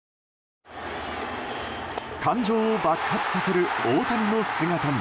感情を爆発させる大谷の姿に。